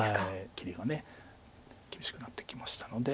切りが厳しくなってきましたので。